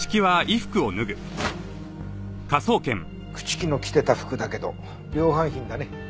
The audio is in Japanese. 朽木の着てた服だけど量販品だね。